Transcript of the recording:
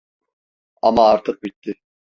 Ama artık bitti.